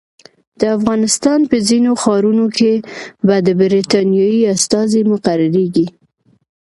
د افغانستان په ځینو ښارونو کې به د برټانیې استازي مقرریږي.